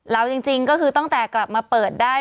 แล้วจริงก็คือตั้งแต่กลับมาเปิดได้